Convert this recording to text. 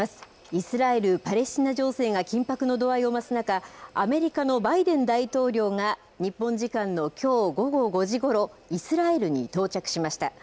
イスラエル・パレスチナ情勢が緊迫の度合いを増す中、アメリカのバイデン大統領が、日本時間のきょう午後５時ごろ、イスラエルに到着しました。